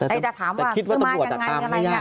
แต่จะถามว่าคือมากยังไงกันไง